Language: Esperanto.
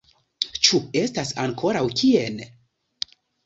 Ĉu estas ankoraŭ kien?